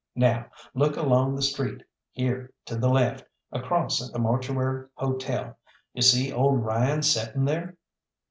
Now, look along the street here to the left, across at the Mortuary Hotel. You see old Ryan settin' there?"